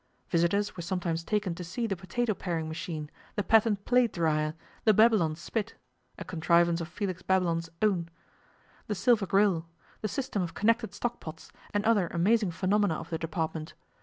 Visitors were sometimes taken to see the potato paring machine, the patent plate dryer, the Babylon spit (a contrivance of Felix Babylon's own), the silver grill, the system of connected stock pots, and other amazing phenomena of the department.